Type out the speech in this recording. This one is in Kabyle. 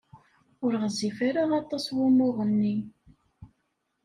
Ur ɣezzif ara aṭas wumuɣ-nni.